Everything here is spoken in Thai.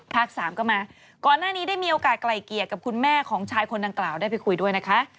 สามก็มาก่อนหน้านี้ได้มีโอกาสไกลเกลียดกับคุณแม่ของชายคนดังกล่าวได้ไปคุยด้วยนะคะ